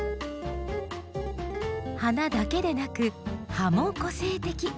花だけでなく葉も個性的。